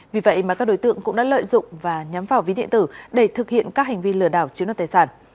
vì vậy mà các đối tượng cũng đã lợi dụng và nhắm vào ví điện tử để thực hiện các hành vi lừa đảo chiếm đoạt tài sản